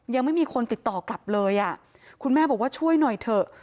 ยังไม่มีคนติดต่อกลับเลยอ่ะคุณแม่บอกว่าช่วยหน่อยเถอะ